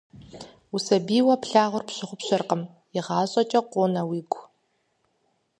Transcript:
Усабийуэ плъэгъуар пщыгъупщэркъым, игъащӀэкӀэ къонэ уигу.